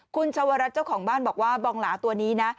คุณชาวรัฐเจ้าของบ้านบอกว่าบองหลาตัวนี้นะ